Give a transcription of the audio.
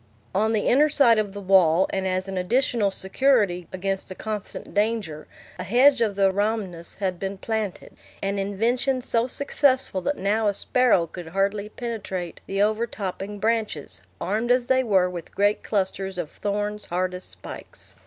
On the inner side of the wall, and as an additional security against the constant danger, a hedge of the rhamnus had been planted, an invention so successful that now a sparrow could hardly penetrate the overtopping branches, armed as they were with great clusters of thorns hard as spikes.